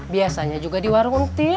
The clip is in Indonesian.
biasanya juga di warung team